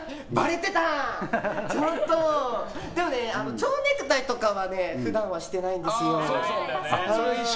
でも蝶ネクタイとかは普段はしてないんですよ。